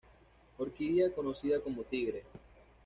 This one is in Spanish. Orquídea conocida como Tigre.